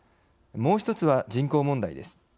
もうひとつは人口問題です。